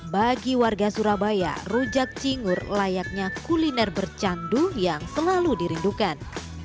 bagi warga surabaya rujak cingur layaknya kuliner bercandu yang selalu dirindukan